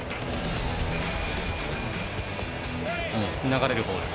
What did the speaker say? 流れるボール。